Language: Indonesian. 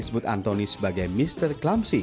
disebut anthony sebagai mr clumsy